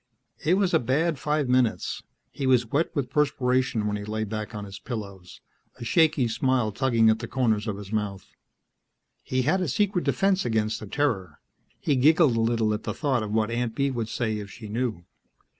It was a bad five minutes; he was wet with perspiration when he lay back on his pillows, a shaky smile tugging at the corners of his mouth. He had a secret defense against the Terror. He giggled a little at the thought of what Aunt Bee would say if she knew.